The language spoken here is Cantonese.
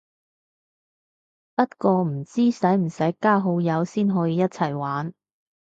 不過唔知使唔使加好友先可以一齊玩